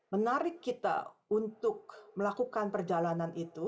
menarik kita untuk melakukan perjalanan itu